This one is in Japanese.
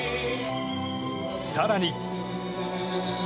更に。